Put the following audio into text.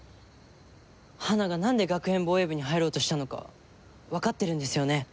花がなんで学園防衛部に入ろうとしたのかわかってるんですよね？